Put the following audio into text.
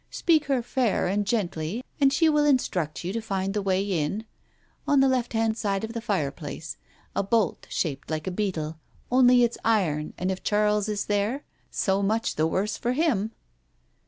Speak her fair and gently, and she will instruct you to find the way in. On the left hand side of the fireplace — a bolt shaped like a beetle. Only it's iron, and if Charles is there — so much the worse for him."